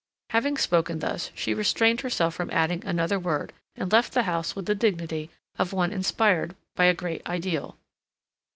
Having spoken thus, she restrained herself from adding another word, and left the house with the dignity of one inspired by a great ideal.